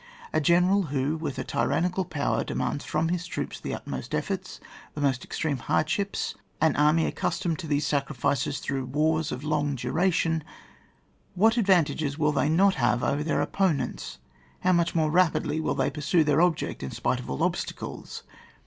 A general who, with a tyrannical power, demands from his troops the utmost efforts, the most extreme hard ships ; an army accustomed to these sacri fices through wars of long duration: — what advantages will they not have over their opponents, how much more rapidly will they pursue their object in spite of all obstacles